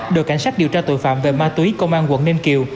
đội cảnh sát điều tra tội phạm về ma túy công an quận ninh kiều